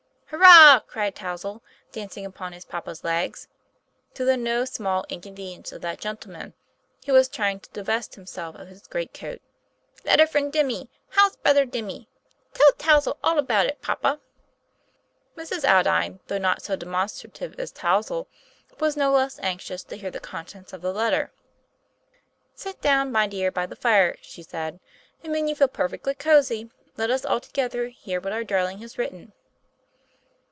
' Hurrah !" cried Touzle, dancing about his papa's legs, to the no small inconvenience of that gentle man, who was trying to divest himself of his great coat, " letter from Dimmy! how's brudder Dimmy ? Tell Touzle all about it, papa." Mrs. Aldine, though not so demonstrative as Touzle, was no less anxious to hear the contents of the letter. "Sit down, my dear, by the fire," she said, "and when you feel perfectly cosy, let us all together hear what our darling has written."